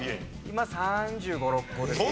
今３５３６個ですね。